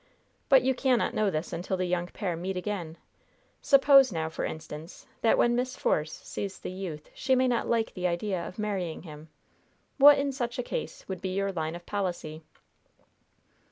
"But you cannot know this until the young pair meet again. Suppose now, for instance, that when Miss Force sees the youth she may not like the idea of marrying him? What, in such a case, would be your line of policy?"